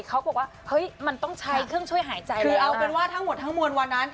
เขาบอกว่าเฮ้ยมันต้องใช้เครื่องช่วยหายใจคือเอาเป็นว่าทั้งหมดทั้งมวลวันนั้น